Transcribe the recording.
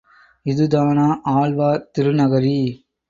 இதுதானா ஆழ்வார் திருநகரி?